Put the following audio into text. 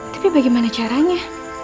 tapi bagaimana caranya